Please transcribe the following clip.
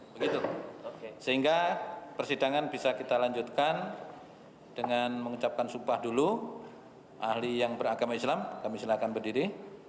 begitu sehingga persidangan bisa kita lanjutkan dengan mengucapkan sumpah dulu ahli yang beragama islam kami silakan berdiri